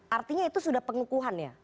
artinya itu sudah pengukuhan ya